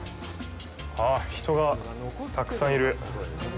あっ、人がたくさんいる。